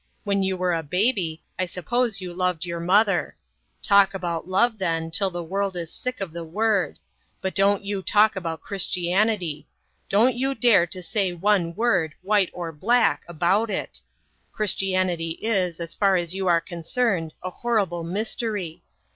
When you were a baby, I suppose you loved your mother. Talk about love, then, till the world is sick of the word. But don't you talk about Christianity. Don't you dare to say one word, white or black, about it. Christianity is, as far as you are concerned, a horrible mystery.